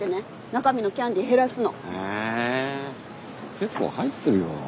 結構入ってるよ。